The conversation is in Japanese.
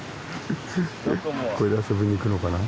これで遊びに行くのかな？